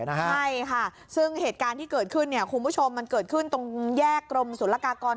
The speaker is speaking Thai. ใช่ค่ะซึ่งเหตุการณ์ที่เกิดขึ้นคุณผู้ชมมันเกิดขึ้นตรงแยกกรมศุลกากร